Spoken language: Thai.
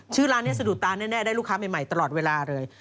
ชื่อร้านนี้สะดุดตาแน่ได้ลูกค้าใหม่ตลอดเวลาเลย